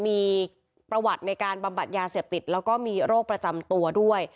มีประวัติในการบำบัดยาเสพติดแล้วก็มีโรคประจำตัวด้วย